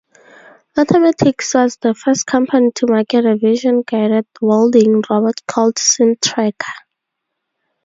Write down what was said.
Automatix was the first company to market a vision-guided welding robot called Seamtracker.